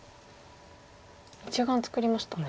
１眼作りましたね。